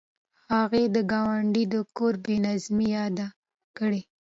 هغې د ګاونډي د کور بې نظمۍ یادې کړې